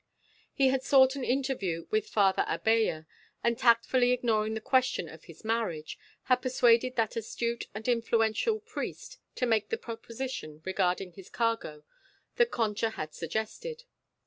He had sought an interview with Father Abella, and tactfully ignoring the question of his marriage, had persuaded that astute and influential priest to make the proposition regarding his cargo that Concha had suggested.